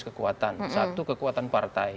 kekuatan satu kekuatan partai